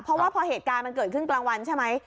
เพราะว่าพอเหตุการณ์มันเกิดขึ้นกลางวันใช่ไหม